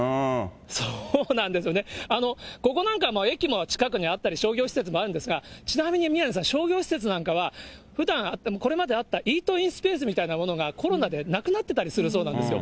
そうなんですよね、ここなんかは駅も近くにあったり、商業施設もあるんですが、ちなみに宮根さん、商業施設なんかは、ふだん、これまであったイートインスペースみたいなものが、コロナでなくなってたりするそうなんですよ。